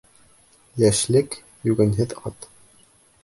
Йәшлек — йүгәнһеҙ ат.